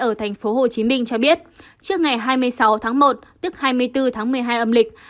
ở tp hcm cho biết trước ngày hai mươi sáu tháng một tức hai mươi bốn tháng một mươi hai âm lịch